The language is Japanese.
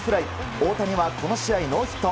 大谷はこの試合、ノーヒット。